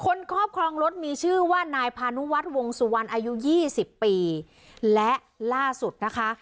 ครอบครองรถมีชื่อว่านายพานุวัฒน์วงสุวรรณอายุยี่สิบปีและล่าสุดนะคะ